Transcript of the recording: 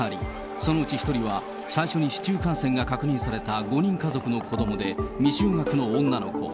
そのうち１人は最初に市中感染が確認された５人家族の子どもで、未就学の女の子。